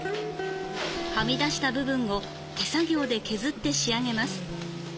はみだした部分を手作業で削って仕上げます。